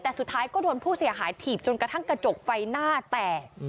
แต่สุดท้ายก็โดนผู้เสียหายถีบจนกระทั่งกระจกไฟหน้าแตก